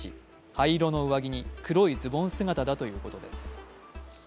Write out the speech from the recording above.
灰色の上着に黒いズボン姿だということです。